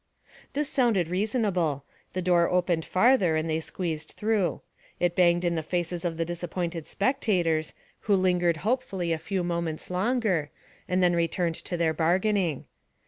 This sounded reasonable; the door opened farther and they squeezed through. It banged in the faces of the disappointed spectators, who lingered hopefully a few moments longer, and then returned to their bargaining.